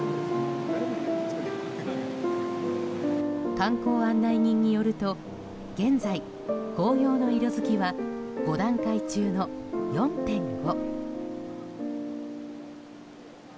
観光案内人によると現在、紅葉の色づきは５段階中の４．５。